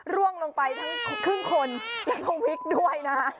ร่วงลงไปครึ่งคนแน่ชะตา